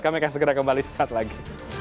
kami akan segera kembali sesaat lagi